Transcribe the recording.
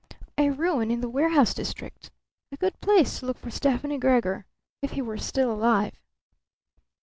A ruin in the warehouse district? A good place to look for Stefani Gregor if he were still alive.